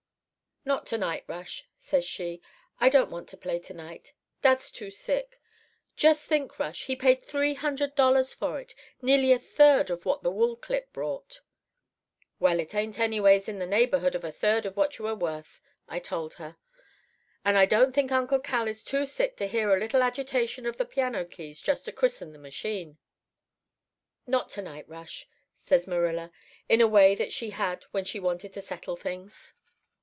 "'Not to night, Rush,' says she. 'I don't want to play any to night. Dad's too sick. Just think, Rush, he paid three hundred dollars for it —nearly a third of what the wool clip brought!' "'Well, it ain't anyways in the neighbourhood of a third of what you are worth,' I told her. 'And I don't think Uncle Cal is too sick to hear a little agitation of the piano keys just to christen the machine. "'Not to night, Rush,' says Marilla, in a way that she had when she wanted to settle things.